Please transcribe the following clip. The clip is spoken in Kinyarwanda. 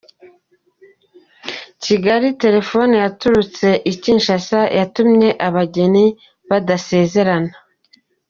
Kigali Telefoni yaturutse i Kinshasa yatumye abageni badasezerana